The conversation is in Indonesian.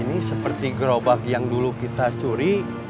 ini seperti gerobak yang dulu kita curi